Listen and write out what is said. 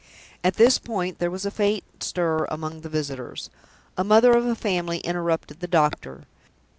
At this point there was a faint stir among the visitors. A mother of a family interrupted the doctor.